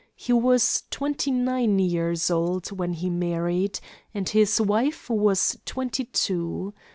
He was twenty nine years old when he married, and his wife was twenty two.